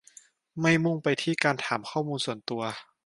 ไม่มุ่งไปที่การถามข้อมูลส่วนตัว